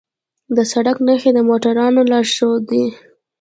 د سړک نښې د موټروانو لارښودوي.